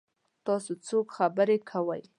تاسو څوک خبرې کوي؟